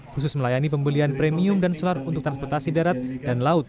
khusus melayani pembelian premium dan solar untuk transportasi darat dan laut